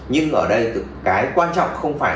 nhưng ở đây cái quan trọng không phải